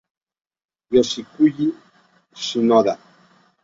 Yoshiyuki Shinoda